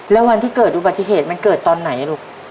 แล้ววันที่เกิดอุบัติเหตุมันเกิดตอนไหนลูก